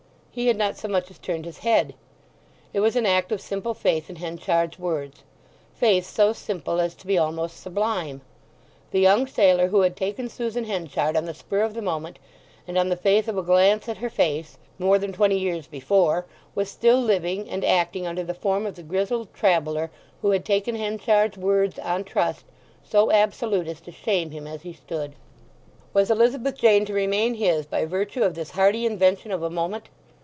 He had not so much as turned his head. It was an act of simple faith in Henchard's words—faith so simple as to be almost sublime. The young sailor who had taken Susan Henchard on the spur of the moment and on the faith of a glance at her face, more than twenty years before, was still living and acting under the form of the grizzled traveller who had taken Henchard's words on trust so absolute as to shame him as he stood. Was Elizabeth Jane to remain his by virtue of this hardy invention of a moment?